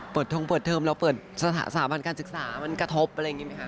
เปิดเทอมเราเปิดสถาบันการศึกษามันกระทบอะไรอย่างนี้ไหมคะ